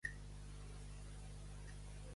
Ni que vingui en Meco.